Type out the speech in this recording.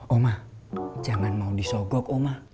oma jangan mau disogok oma